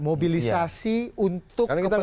mobilisasi untuk kepentingan politik